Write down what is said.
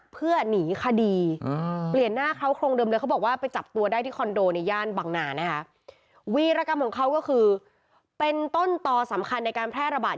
เป็นต้นต่อสำคัญในการแพร่ระบาด